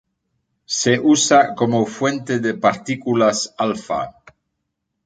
Se usa como fuente de partículas alfa.